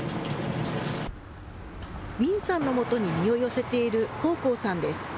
ウィンさんのもとに身を寄せているコウコウさんです。